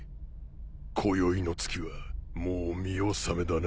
こよいの月はもう見納めだな。